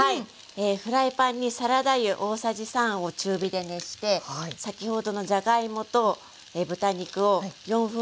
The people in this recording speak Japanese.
フライパンにサラダ油大さじ３を中火で熱して先ほどのじゃがいもと豚肉を４分ほど揚げ焼きにしました。